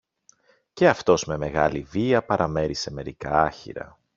και αυτός με μεγάλη βία παραμέρισε μερικά άχυρα